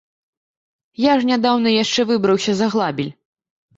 Я ж нядаўна яшчэ выбраўся з аглабель!